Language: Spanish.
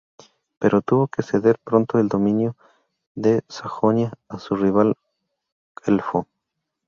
Pero tuvo que ceder pronto el dominio de Sajonia a su rival güelfo.